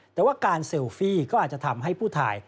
แต่ว่าการเซลฟี่ก็อาจจะทำให้ผู้ถ่าย